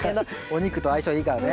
お肉と相性いいからね。